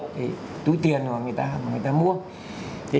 cái túi tiền của người ta người ta mua